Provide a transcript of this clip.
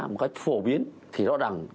một cách phổ biến thì rõ ràng